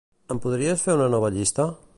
Em podries fer una nova llista?